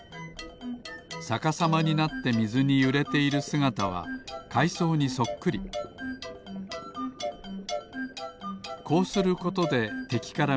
さかさまになってみずにゆれているすがたはかいそうにそっくりこうすることでてきからみつかりにくくなり